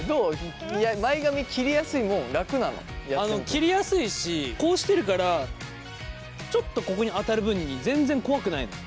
切りやすいしこうしてるからちょっとここに当たる分に全然怖くないのよ